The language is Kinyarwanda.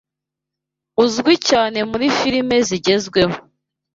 uzwi cyane muri filimi zigezweho